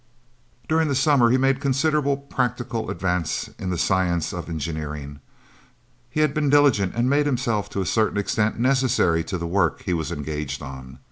During the summer he had made considerable practical advance in the science of engineering; he had been diligent, and made himself to a certain extent necessary to the work he was engaged on.